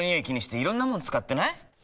気にしていろんなもの使ってない？